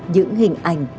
những hình ảnh